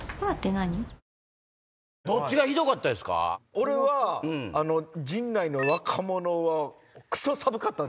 俺は陣内の若者は。